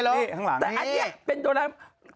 นี่ทางหลังนี่เป็นโดราเอมอน